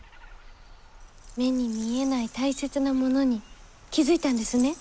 目に見えない大切なものに気付いたんですね。